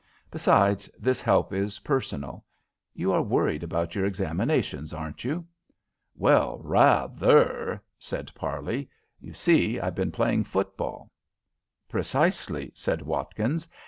Besides, this help is personal. You are worried about your examinations, aren't you?" "Well, rather," said Parley. "You see, I've been playing football." "Precisely," said Watkins.